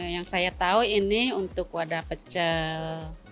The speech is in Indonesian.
yang saya tahu ini untuk wadah pecel